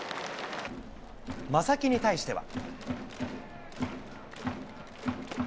正木に対しては。